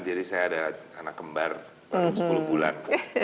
jadi saya ada anak kembar baru sepuluh bulan